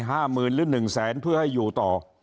ห้าหมื่นหรือหนึ่งแสนเพื่อให้อยู่ต่อ